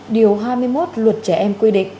điều hai mươi một luật trẻ em quy định